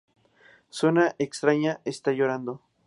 Suena extraña, está llorando.